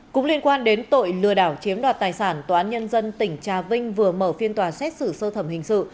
cũng liên quan đến tội lừa đảo chiếm đoạt tài sản tòa án nhân dân tỉnh trà vinh vừa mở phiên tòa xét xử sơ thẩm hình sự